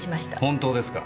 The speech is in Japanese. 本当ですか？